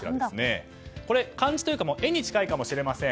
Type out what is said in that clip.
これ、漢字というか絵に近いかもしれません。